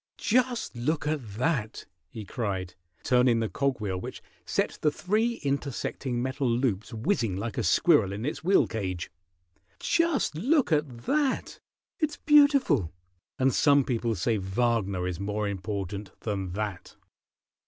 "Just look at that!" he cried, turning the cog wheel which set the three intersecting metal loops whizzing like a squirrel in its wheel cage. "Just look at that! It's beautiful, and some people say Wagner is more important than that."